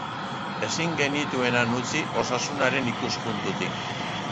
Ezin genituen han utzi, osasunaren ikuspuntutik.